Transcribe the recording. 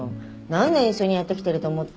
何年一緒にやってきてると思ってんの？